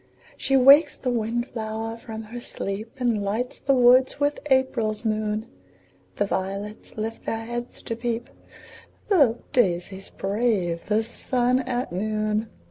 She wakes the wind flower from her sleep, And lights the woods with April's moon; The violets lift their heads to peep, The daisies brave the sun at noon.